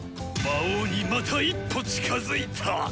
魔王にまた一歩近づいた！